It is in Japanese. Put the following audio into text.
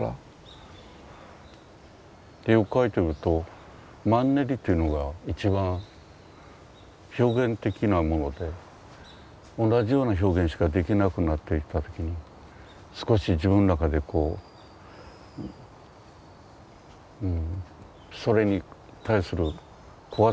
絵を描いてるとマンネリというのが一番表現的なもので同じような表現しかできなくなってきた時に少し自分の中でそれに対する怖さみたいのを覚えるので。